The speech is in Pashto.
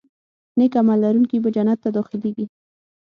نیک عمل لرونکي به جنت ته داخلېږي.